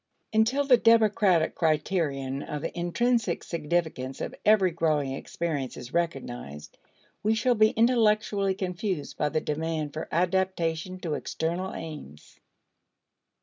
Until the democratic criterion of the intrinsic significance of every growing experience is recognized, we shall be intellectually confused by the demand for adaptation to external aims.